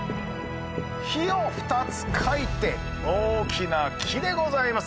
「火」を２つ書いて大きな木でございます。